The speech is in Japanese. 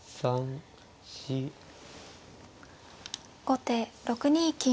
後手６二金。